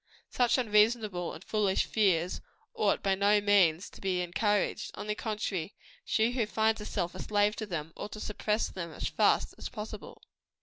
Such unreasonable and foolish fears ought by no means to be encouraged; on the contrary, she who finds herself a slave to them, ought to suppress them as fast as possible.